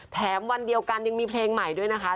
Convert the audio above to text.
วันเดียวกันยังมีเพลงใหม่ด้วยนะคะ